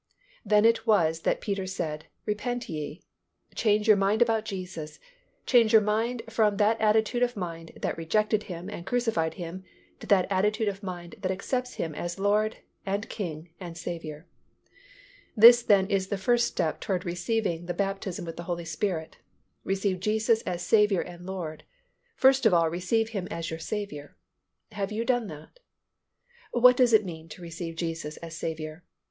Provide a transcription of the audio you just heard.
Then it was that Peter said, "Repent ye," "Change your mind about Jesus, change your mind from that attitude of mind that rejected Him and crucified Him to that attitude of mind that accepts Him as Lord and King and Saviour." This then is the first step towards receiving the baptism with the Holy Spirit; receive Jesus as Saviour and Lord; first of all receive Him as your Saviour. Have you done that? What does it mean to receive Jesus as Saviour?